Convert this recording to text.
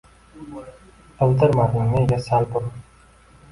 Bildirmading nega sal burun?